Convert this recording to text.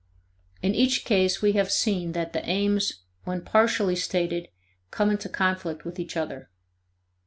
In each case we have seen that the aims when partially stated come into conflict with each other.